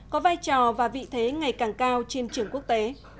có vai trò và vị thế ngày càng cao trên trường quốc tế